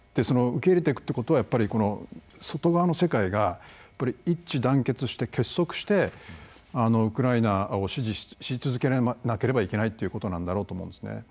その受け入れていくということは外側の世界が一致団結して結束してウクライナを支持し続けなければいけないということなんだろうと思うんですね。